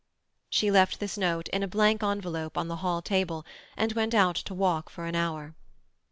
She left this note, in a blank envelope, on the hall table, and went out to walk for an hour.